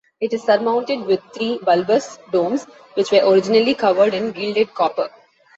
It is surmounted with three bulbous domes, which were originally covered in gilded copper.